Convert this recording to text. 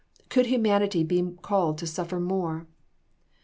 Could humanity be called to suffer more?